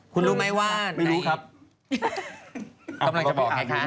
กำลังจะบอกไงคะ